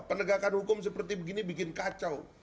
penegakan hukum seperti begini bikin kacau